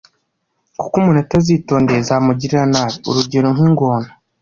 kuko umuntu atazitondeye zamugirira nabi, urugero nk'ingona.